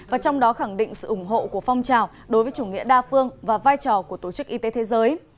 và trong đó khẳng định sự ủng hộ của phong trào đối với chủ nghĩa đa phương và vai trò của tổ chức y tế thế giới